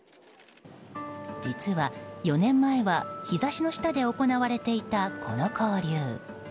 実は、４年前は日差しの下で行われていたこの交流。